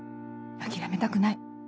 諦めたくない。